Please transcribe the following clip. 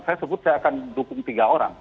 saya sebut saya akan dukung tiga orang